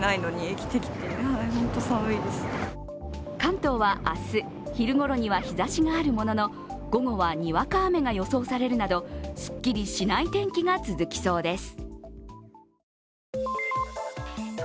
関東は明日、昼ごろには日ざしがあるものの、午後にはにわか雨が予想されるなど、すっきりしない天気が続きそうです。